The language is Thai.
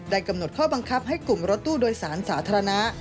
กำหนดข้อบังคับให้กลุ่มรถตู้โดยสารสาธารณะ